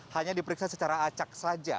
hanya diperiksa secara acak saja